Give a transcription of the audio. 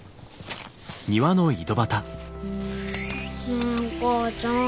ねえお母ちゃん。